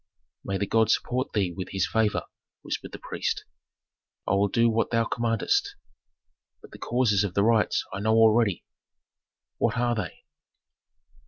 "May the god support thee with his favor," whispered the priest. "I will do what thou commandest. But the causes of the riots I know already." "What are they?"